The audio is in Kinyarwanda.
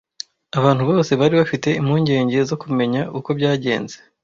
Abantu bose bari bafite impungenge zo kumenya uko byagenze.